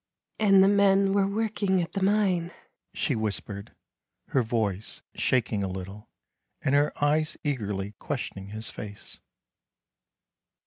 " And the men were working at the mine," she whispered, her voice shaking a little, and her eyes eagerly questioning his face.